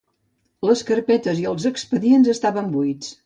Les carpetes i els expedients estaven buits.